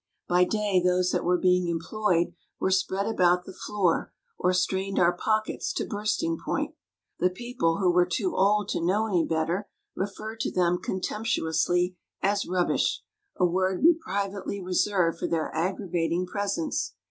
By day those that were being employed were spread about the floor or strained our pockets to bursting point. The people who were too old to know any better referred to them contemptuously as " rubbish,*' a word we privately reserved for their aggravating presents.